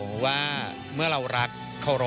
พี่ว่าความมีสปีริตของพี่แหวนเป็นตัวอย่างที่พี่จะนึกถึงเขาเสมอ